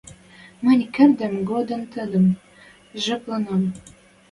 Мӹнь кердмем годым тӹдӹм жепленӓм...